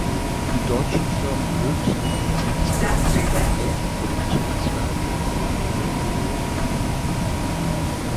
Die deutschen Firmen Hoechst und Mercedes Benz unterhalten Produktionswerke in Zeytinburnu.